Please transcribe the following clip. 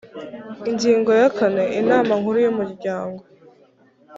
ingingo ya kane inama nkuru y umuryango